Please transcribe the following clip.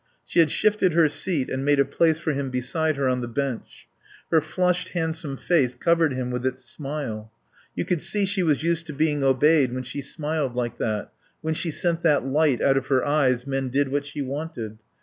She had shifted her seat and made a place for him beside her on the bench. Her flushed, handsome face covered him with its smile. You could see she was used to being obeyed when she smiled like that; when she sent that light out of her eyes men did what she wanted.